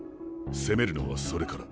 攻めるのはそれから。